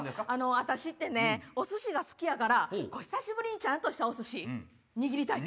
私ってねお寿司が好きやから久しぶりにちゃんとしたお寿司握りたいな。